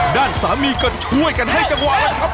ด้านสามีก็ช่วยกันให้จังหวะแล้วครับ